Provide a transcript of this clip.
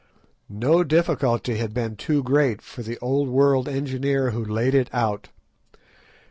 No difficulty had been too great for the Old World engineer who laid it out.